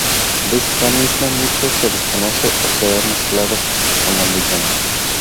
De esta misma mucho se desconoce o se ha mezclado con la leyenda.